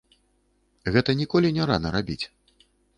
Гэта ніколі не рана рабіць.